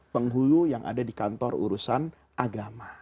penghulu yang ada di kantor urusan agama